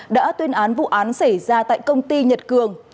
đã tuyên án vụ án xảy ra tại công ty nhật cường